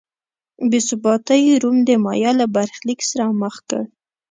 بې ثباتۍ روم د مایا له برخلیک سره مخ کړ.